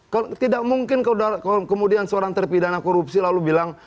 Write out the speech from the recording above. kalau tidak mungkin kemudian seorang terpidana korupsi lalu bilang